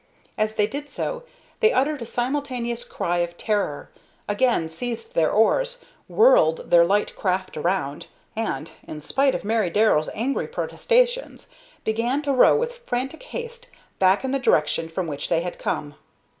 As they did so, they uttered a simultaneous cry of terror, again seized their oars, whirled their light craft around, and, in spite of Mary Darrell's angry protestations, began to row with frantic haste back in the direction from which they had come.